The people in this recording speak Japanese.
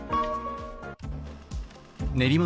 練馬